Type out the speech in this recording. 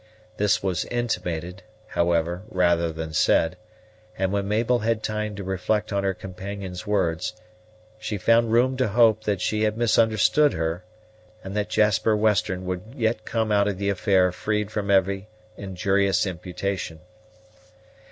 This was intimated, however, rather than said; and when Mabel had time to reflect on her companion's words, she found room to hope that she had misunderstood her, and that Jasper Western would yet come out of the affair freed from every injurious imputation.